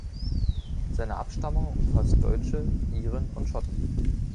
Seine Abstammung umfasst Deutsche, Iren und Schotten.